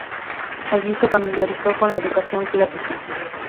Allí se familiarizó con la educación clásica.